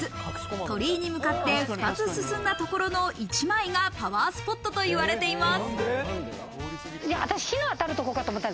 鳥居に向かって二つ進んだところの一枚がパワースポットと言われています。